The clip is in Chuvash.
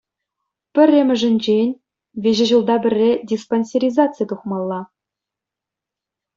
Пӗрремӗшӗнчен, виҫӗ ҫулта пӗрре диспансеризаци тухмалла.